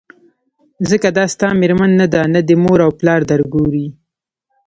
ځکه دا ستا مېرمن نه ده نه دي مور او پلار درګوري